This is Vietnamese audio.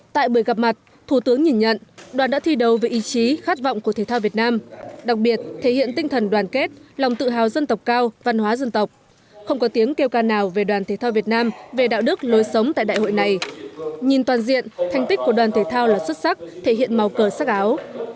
tại buổi gặp mặt thủ tướng nhìn nhận đoàn đã thi đầu về ý chí khát vọng của thể thao việt nam đặc biệt thể hiện tinh thần đoàn kết lòng tự hào dân tộc cao văn hóa dân tộc không có tiếng kêu ca nào về đoàn thể thao việt nam về đạo đức lối sống tại đại hội này nhìn toàn diện thành tích của đoàn thể thao là xuất sắc thể hiện màu cờ sắc áo